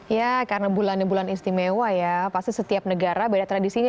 ya karena bulan bulan istimewa ya pasti setiap negara beda tradisinya